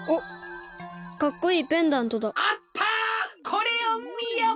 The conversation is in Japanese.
これをみよ！